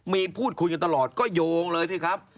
มีพูดคุยกันตลอดก็โยงเลยสิครับ